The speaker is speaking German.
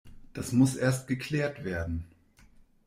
Das muss erst geklärt werden.